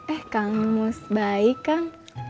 eh kang mus baik kan